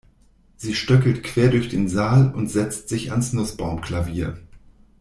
Sie stöckelt quer durch den Saal und setzt sich ans Nussbaumklavier.